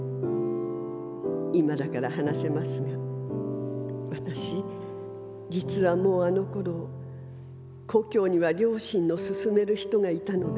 今だから話せますが私実はもうあの頃故郷には両親のすすめる人がいたのです。